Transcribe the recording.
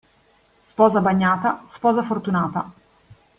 Sposa bagnata, sposa fortunata.